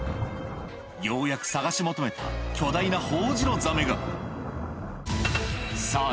ようやく探し求めた巨大なホホジロザメがさぁ